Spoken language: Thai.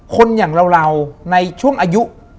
คนอย่างเราในช่วงอายุ